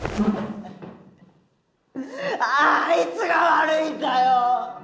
あいつが悪いんだよ！